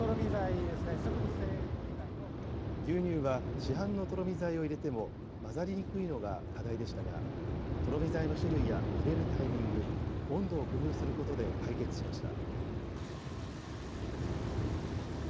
牛乳は市販のとろみ剤を入れても混ざりにくいのが課題でしたが、とろみ剤の種類や入れるタイミング、温度を工夫することで解決しました。